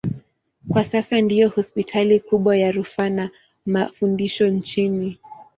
Kwa sasa ndiyo hospitali kubwa ya rufaa na mafundisho nchini.